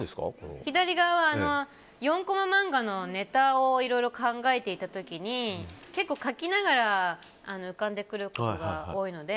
４コマ漫画のネタをいろいろ考えていた時に結構書きながら浮かんでくることが多いので。